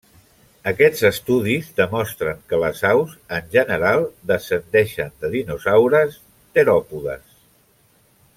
Aquests estudis demostren que les aus, en general, descendeixen de dinosaures teròpodes.